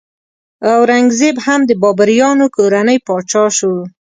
اورنګ زیب هم د بابریانو کورنۍ پاچا شو.